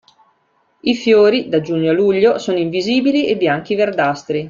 I fiori da giugno a luglio sono invisibili e bianchi verdastri.